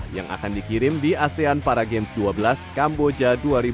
yang akan dikirim di asean paragames dua belas kamboja dua ribu dua puluh tiga